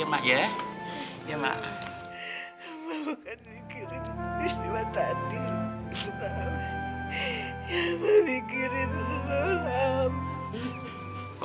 manusia yang setengah jadi tuh